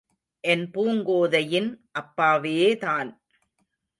என் பூங்கோதையின் அப்பாவேதான்!